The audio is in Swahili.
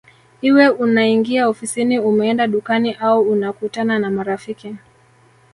Iwe unaingia ofisini umeenda dukani au unakutana na marafiki